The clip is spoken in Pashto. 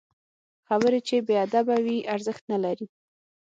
خبرې چې بې ادبه وي، ارزښت نلري